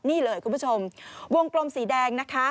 นี่เลยคุณผู้ชมวงกลมสีแดงนะคะ